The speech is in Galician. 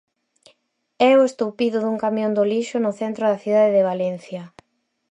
É o estoupido dun camión do lixo no centro da cidade de Valencia.